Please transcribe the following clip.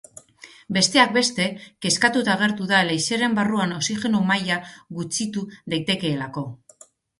Besteak beste, kezkatuta agertu da leizearen barruan oxigeno maila gutxitu daitekeelako.